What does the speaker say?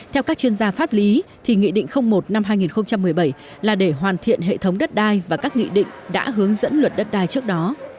theo các chuyên gia pháp lý thì nghị định một năm hai nghìn một mươi bảy là để hoàn thiện hệ thống đất đai và các nghị định đã hướng dẫn luật đất đai trước đó